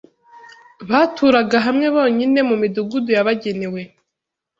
Baturaga hamwe bonyine mu midugudu yabagenewe